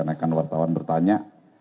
akan akan wartawan bertanya